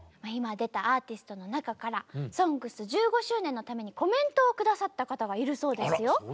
今出たアーティストの中から「ＳＯＮＧＳ」１５周年のためにコメントを下さった方がいるそうですよ。